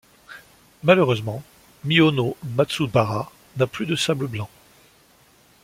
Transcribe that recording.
Malheureusement, Miho no Matsubara n'a plus de sable blanc.